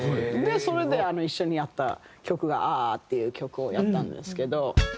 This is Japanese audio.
それで一緒にやった曲が『“ＵｈＵｈ，，，，，，”』っていう曲をやったんですけど。